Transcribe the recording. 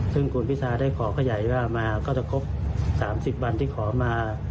ซึ่งคุณพิทาได้ขอขยายว่ามาก็จะครบ๓๐วันที่ขอมา